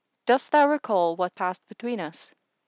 Dost thou recall what passed between us?"